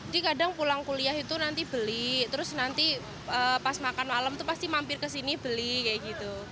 di kadang kulang kuliah itu nanti beli terus nanti pas makan malam tu pasti mampir kesini beli kayak gitu